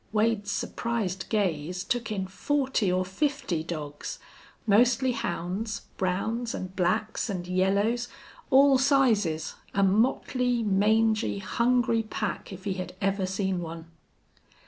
Wade's surprised gaze took in forty or fifty dogs, mostly hounds, browns and blacks and yellows, all sizes a motley, mangy, hungry pack, if he had ever seen one.